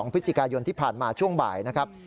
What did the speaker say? พฤศจิกายนที่ผ่านมาช่วงบ่ายนะครับ